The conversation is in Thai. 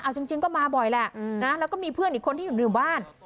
เอาจริงก็มาบ่อยแหละนะแล้วก็มีเพื่อนอีกคนที่อยู่ในหมู่บ้าน